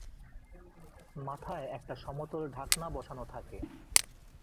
মাথায় একটা সমতল ঢাকনা বসানো থাকে।